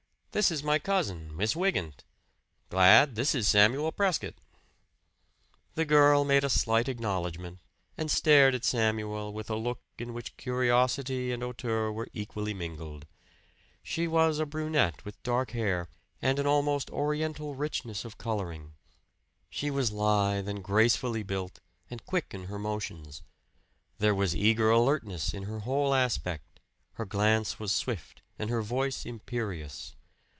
"This is my cousin, Miss Wygant. Glad, this is Samuel Prescott." The girl made a slight acknowledgment, and stared at Samuel with a look in which curiosity and hauteur were equally mingled. She was a brunette with dark hair, and an almost Oriental richness of coloring. She was lithe and gracefully built, and quick in her motions. There was eager alertness in her whole aspect; her glance was swift and her voice imperious.